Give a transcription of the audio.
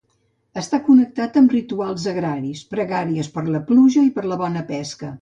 Està connectat amb rituals agraris, pregàries per la pluja i per a una bona pesca.